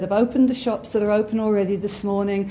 yang membuka kedai yang sudah dibuka pagi ini